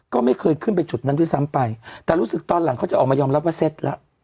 ก็ไม่เคยขึ้นไปจุดนั้นด้วยซ้ำไปแต่รู้สึกตอนหลังเขาจะออกมายอมรับว่าเซ็ตแล้ว